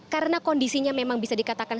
karena kondisinya memang bisa dikatakan